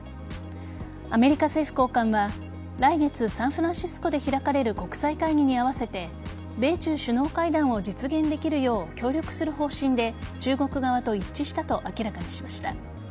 アメリカ政府高官は来月サンフランシスコで開かれる国際会議に合わせて米中首脳会談を実現できるよう協力する方針で中国側と一致したと明らかにしました。